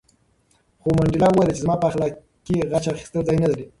خو منډېلا وویل چې زما په اخلاقو کې غچ اخیستل ځای نه لري.